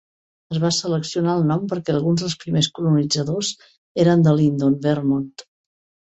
Es va seleccionar el nom perquè alguns dels primers colonitzadors eren de Lyndon, Vermont.